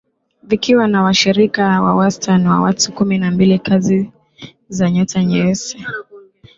vikiwa na washirika wa wastani wa watu kumi na mbili Kazi za nyota nyeusi